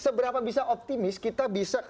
seberapa bisa optimis kita bisa